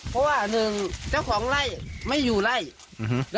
เพราะว่าหนึ่งเจ้าของไร่ไม่อยู่ไร่อื้อฮือ